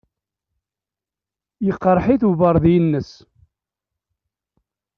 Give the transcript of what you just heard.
Yeqreḥ-it ubeṛdi-nnes.